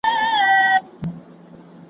چي اغزن دي هر یو خیال وي له بیابان سره همزولی`